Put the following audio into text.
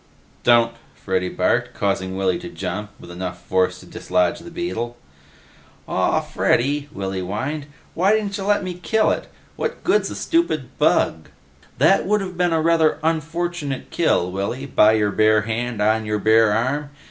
"Don't," Freddy barked, causing Willy to jump with enough force to dislodge the beetle. "Aw, Freddy," Willy whined, "why dintcha lemme kill it? What good's a stupid bug?" "That would have been a rather unfortunate kill, Willy, by your bare hand on your bare arm.